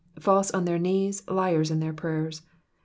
False on their knees, liars m their prayers.